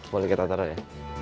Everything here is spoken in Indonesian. boleh kita taruh ya